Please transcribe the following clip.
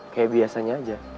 kayak biasanya aja